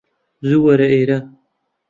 زوو وەرە ئێرە